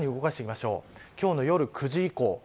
今日の夜９時以降。